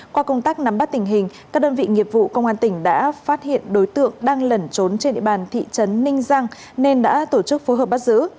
qua công tác nắm bắt tình hình các đơn vị nghiệp vụ công an tỉnh đã phát hiện đối tượng đang lẩn trốn trên địa bàn thị trấn ninh giang nên đã tổ chức phối hợp bắt giữ